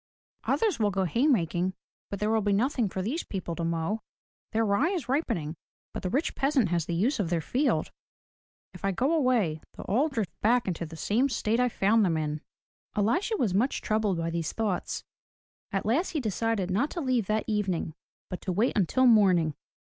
"Others will go hay making, but there will be nothing for these people to mow. Their rye is ripening, but the rich peasant has the use of their field. If I go away, they'll all drift back into the same state I found them in." Elisha was much troubled by these thoughts. At last he decided not to leave that evening but to wait until morning.